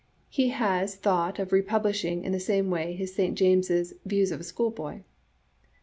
He has thought of republishing in the same way his St James's " Views of a Schoolboy.